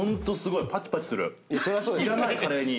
いらないカレーに。